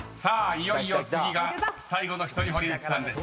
いよいよ次が最後の１人堀内さんです］